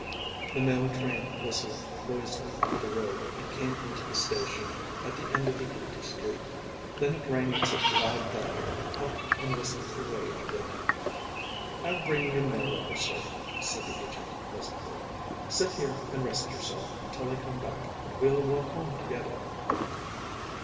The mail train whistled noisily up the road and came into the station at the end of the empty street, then it rang its loud bell and puffed and whistled away again. "I'll bring your mail over, sir," said the agent, presently. "Sit here and rest yourself until I come back and we'll walk home together."